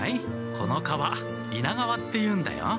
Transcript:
この川猪名川っていうんだよ。